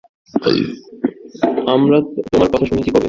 আমরা তোমার কথা শুনেছি কবে?